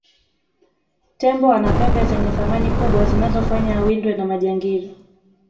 tembo ana pembe zenye thamani kubwa zinazofanya awindwe na majangili